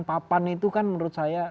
nah pemandangan papan itu kan menurut saya